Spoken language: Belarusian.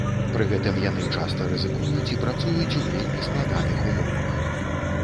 Пры гэтым яны часта рызыкуюць і працуюць у вельмі складаных умовах.